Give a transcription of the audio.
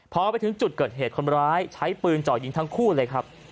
พอไปถึงจุดเกิดเหตุคนร้ายใช้ปืนเจาะยิงทั้งคู่เลยครับ